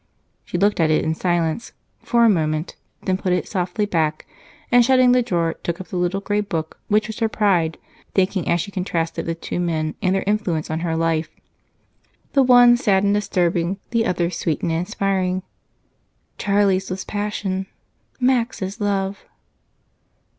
She looked at it in silence for a moment, then put it softly back and, shutting the drawer, took up the little gray book which was her pride, thinking as she contrasted the two men and their influence on her life the one sad and disturbing, the other sweet and inspiring "Charlie's was passion Mac's is love."